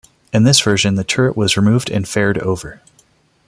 In this version, the turret was removed and faired over.